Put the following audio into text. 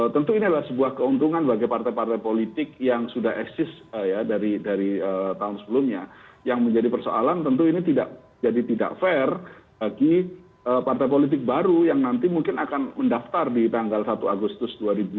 tentu ini adalah sebuah keuntungan bagi partai partai politik yang sudah eksis dari tahun sebelumnya yang menjadi persoalan tentu ini tidak jadi tidak fair bagi partai politik baru yang nanti mungkin akan mendaftar di tanggal satu agustus dua ribu dua puluh